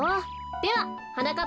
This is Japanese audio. でははなかっ